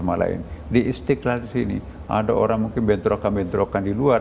lalu di istiqlal ini ada orang mungkin bentrokan bentrokan di luar